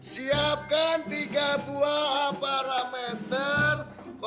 siapkan tiga buah amparameter